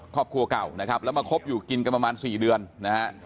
ครอบครัวเก่านะครับแล้วมาคบอยู่กินกันประมาณ๔เดือนนะฮะ